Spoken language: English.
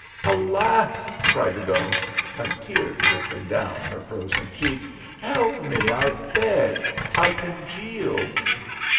"Alas!" cried the ghost, a tear trickling down her frozen cheek. "Help me, I beg. I congeal!"